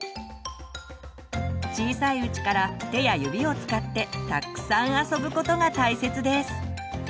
小さいうちから手や指を使ってたっくさん遊ぶことが大切です。